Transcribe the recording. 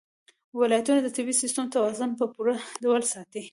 ولایتونه د طبعي سیسټم توازن په پوره ډول ساتي.